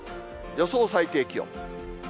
予想最低気温。